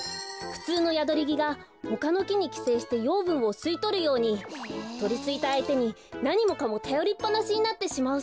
ふつうのヤドリギがほかのきにきせいしてようぶんをすいとるようにとりついたあいてになにもかもたよりっぱなしになってしまうそうです。